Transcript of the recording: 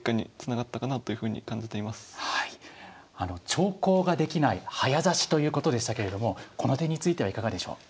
長考ができない早指しということでしたけれどもこの点についてはいかがでしょう。